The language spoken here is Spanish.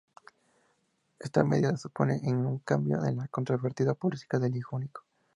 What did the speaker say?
Esta medida supone un cambio en la controvertida política del hijo único.